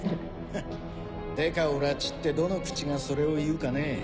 ハッデカを拉致ってどの口がそれを言うかねぇ？